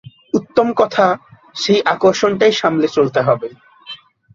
উত্তম কথা সেই আকর্ষণটাই সামলে চলতে হবে।